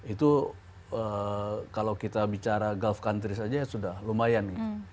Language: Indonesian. itu kalau kita bicara gulf countries aja sudah lumayan